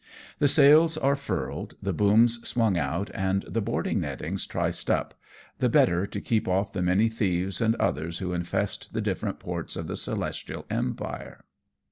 The sails are furled, the booms swung out, and the boarding nettings triced up, the better to keep off the many thieves and others who infest the different ports of the Celestial Empire.